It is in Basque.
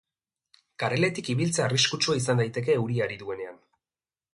Kareletik ibiltzea arriskutsua izan daiteke euria ari duenean.